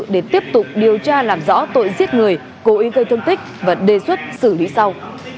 để tiếp tục điều tra làm rõ tội giết người cố ý gây thương tích và đề xuất xử lý sau